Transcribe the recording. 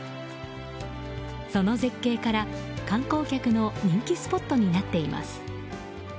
その絶景から観光客の人気スポットになっています。